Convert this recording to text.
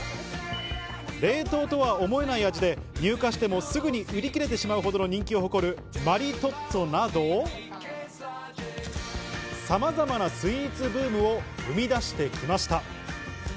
冷凍とは思えない味で入荷してもすぐに売り切れてしまうほどの人気を誇るマリトッツォなど、さまざまなスイーツブームを生み出してきました。